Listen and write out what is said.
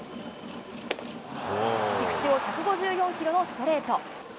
菊池を１５４キロのストレート。